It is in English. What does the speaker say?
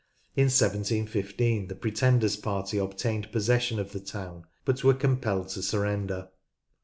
In 1 7 15 the Pretender's party obtained possession of the town, but were compelled to surrender.